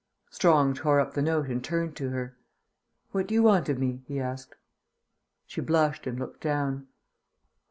Strong tore up the note and turned to her. "What do you want of me?" he asked. She blushed and looked down.